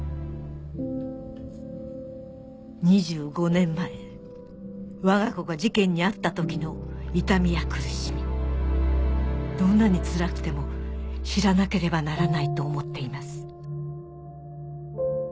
２５年前わが子が事件に遭った時の痛みや苦しみどんなにつらくても知らなければならないと思っています